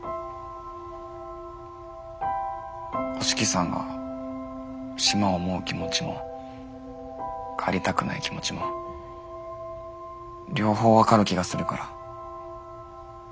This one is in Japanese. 五色さんが島を思う気持ちも帰りたくない気持ちも両方分かる気がするから。